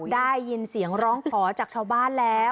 ได้ยินเสียงร้องขอจากชาวบ้านแล้ว